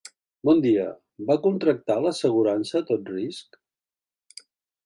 Bon dia, va contractar la assegurança a tot risc?